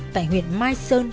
tại huyện mai sơn